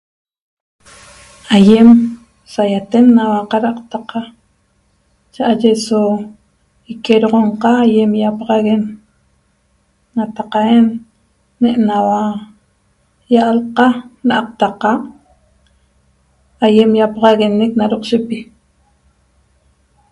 Aýem saýaten naua qad'aqtaqa cha'aye so iquedoxonqa aýem ýapaxaguen nataq'en ne'enaua ýalqa l'aqtaqa aýem ýapaxaguenec na doqshepi